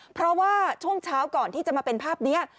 เพราะว่าช่วงเช้าก่อนที่จะมาเป็นภาพนี้